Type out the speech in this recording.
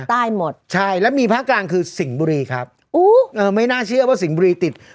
ใต้หมดใช่แล้วมีภาคกลางคือสิงห์บุรีครับอู้เออไม่น่าเชื่อว่าสิงห์บุรีติด